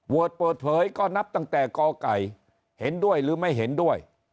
เปิดเผยก็นับตั้งแต่กไก่เห็นด้วยหรือไม่เห็นด้วย